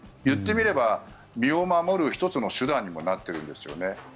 言ってみれば身を守る１つの手段にもなっているんですね。